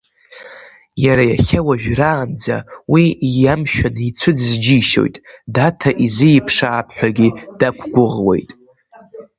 Иара иахьа уажәраанӡа уи иамшәаны ицәыӡыз џьишьоит, Даҭа изиԥшаап ҳәагьы дақәгәыӷуеит.